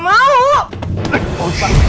gue gak mau